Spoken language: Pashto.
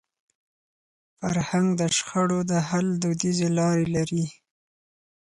فرهنګ د شخړو د حل دودیزي لارې لري.